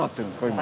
今。